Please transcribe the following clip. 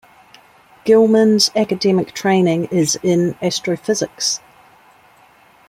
Gilman's academic training is in astrophysics.